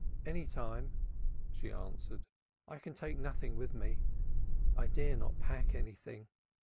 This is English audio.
"Any time," she answered. "I can take nothing with me. I dare not pack anything.